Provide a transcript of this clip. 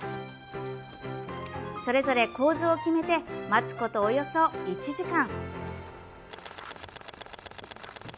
それぞれ構図を決めて待つことおよそ１時間。